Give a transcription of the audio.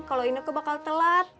kalau ineku bakal telat